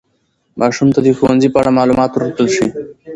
ماشوم ته د ښوونځي په اړه معلومات ورکړل شي.